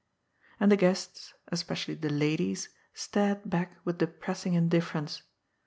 And the guests — especially the ladies — stared back with depressing indifference.